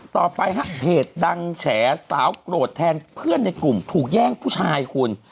ต่อไปฮะเพจดังแฉสาวโกรธแทนเพื่อนในกลุ่มถูกแย่งผู้ชายคุณ